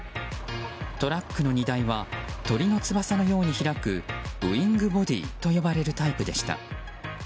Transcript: トラックの荷台は鳥の翼のように開くウィングボディ−と呼ばれるタイプでした。